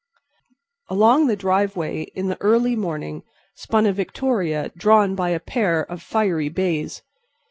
Along the driveway in the early morning spun a victoria drawn by a pair of fiery bays.